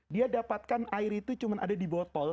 dia dapatkan air itu cuma ada di botol